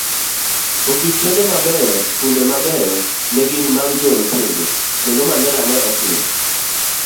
Osiptende mabeyo, skunde mabeyo negin magjorotenge, kendo Mandela ne osin